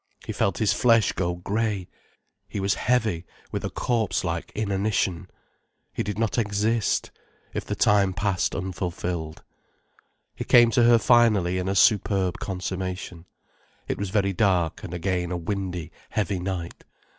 He felt his flesh go grey, he was heavy with a corpse like inanition, he did not exist, if the time passed unfulfilled. He came to her finally in a superb consummation. It was very dark, and again a windy, heavy night.